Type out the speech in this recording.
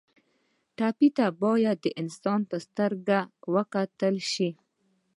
ټپي ته باید د انسان په سترګه وکتل شي.